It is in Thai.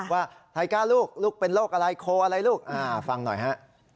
ว่าไทก้าลูกลูกเป็นโรคอะไรโคอะไรลูกฟังหน่อยฮะ